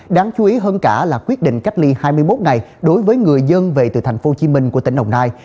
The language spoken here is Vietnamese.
đáng chú ý hơn cả là quyết định cách ly hai mươi một ngày đối với người dân về từ tp hcm của tỉnh đồng nai